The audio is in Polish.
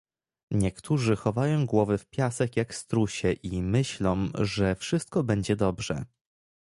Niektórzy chowają głowy w piasek jak strusie i myślą, że wszystko będzie dobrze